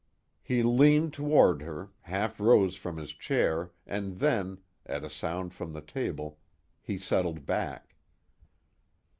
He leaned toward her, half rose from his chair and then, at a sound from the table, he settled back.